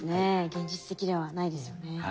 現実的ではないですよね。